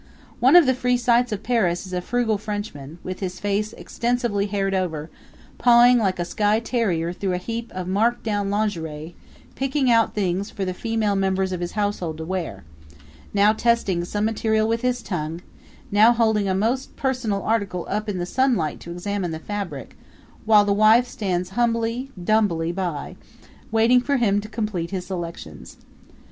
One of the free sights of Paris is a frugal Frenchman, with his face extensively haired over, pawing like a Skye terrier through a heap of marked down lingerie; picking out things for the female members of his household to wear now testing some material with his tongue; now holding a most personal article up in the sunlight to examine the fabric while the wife stands humbly, dumbly by, waiting for him to complete his selections.